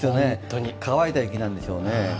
乾いた雪なんでしょうね。